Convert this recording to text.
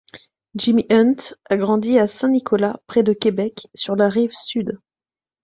Jimmy Hunt a grandi à Saint-Nicolas, près de Québec, sur la rive-sud.